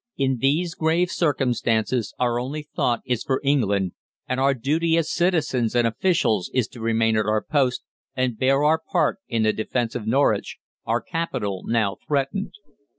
IN THESE GRAVE CIRCUMSTANCES our only thought is for England, and our duty as citizens and officials is to remain at our post and bear our part in the defence of Norwich, our capital now threatened.